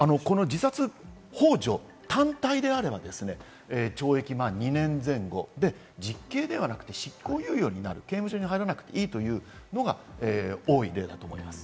自殺ほう助単体であれば、懲役２年前後で実刑ではなくて、執行猶予になる、刑務所に入らなくていいというのが多い例だと思います。